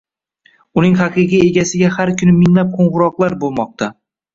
Uning haqiqiy egasiga har kuni minglab qo‘ng‘iroqlar bo‘lmoqda